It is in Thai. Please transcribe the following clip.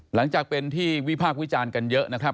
หลังจากเป็นที่วิพากษ์วิจารณ์กันเยอะนะครับ